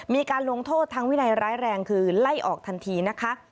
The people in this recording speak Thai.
มีการลงโทษทางวินัยร้ายแรงคือไล่ออกทันทีนะคะ